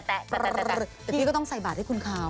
แต่พี่ก็ต้องใส่บาทให้คุณเขา